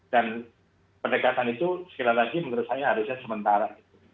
dan pendekatan itu sekedar lagi menurut saya harusnya sementara